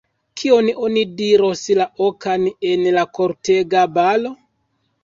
Kion oni diros, la okan, en la kortega balo?